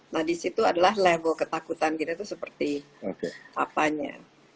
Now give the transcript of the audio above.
nah disitu adalah level ketakutan kita itu seperti apanya